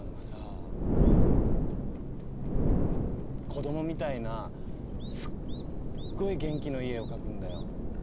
子供みたいなすっごい元気のいい絵を描くんだよ。